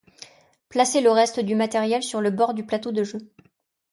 Placer le reste du matériel sur le bord du plateau de jeu.